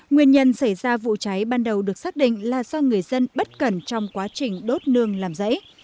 nguyên nhân xảy ra vụ cháy ban đầu được xác định là do người dân bất cẩn trong quá trình đốt nương làm rẫy